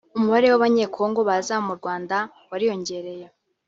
umubare w’abanye-Congo baza mu Rwanda wariyongereye